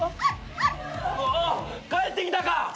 おお帰ってきたか！